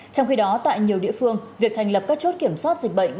trong khi đó tại nhiều địa phương việc thành lập các chốt kiểm soát dịch bệnh